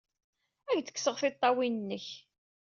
Ad ak-d-kkseɣ tiṭṭawin-nnek!